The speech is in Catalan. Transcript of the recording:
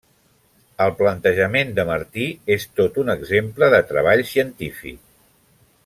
El plantejament de Martí és tot un exemple de treball científic.